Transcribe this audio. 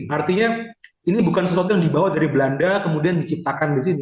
artinya ini bukan sesuatu yang dibawa dari belanda kemudian diciptakan di sini